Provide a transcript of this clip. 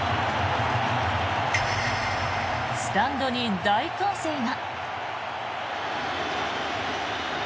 スタンドに大歓声が。